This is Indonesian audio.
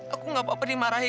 aku gak apa apa dimarahin